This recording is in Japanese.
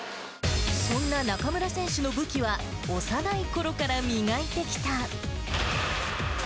そんな中村選手の武器は、幼いころから磨いてきた。